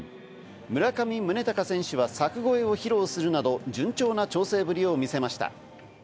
村上宗隆選手は柵越えを披露するなど、順調な調整ぶりを見せました。